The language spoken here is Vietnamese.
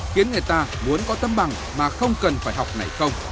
khiến người ta muốn có tâm bằng mà không cần phải học này không